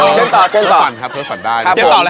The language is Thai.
เชิญต่อ